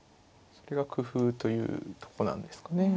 それが工夫というとこなんですかね。